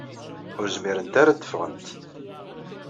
Ur zmirent ara ad d-ffɣent.